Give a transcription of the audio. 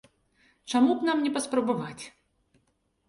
Чаму б нам не паспрабаваць.